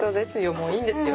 もういいんですよ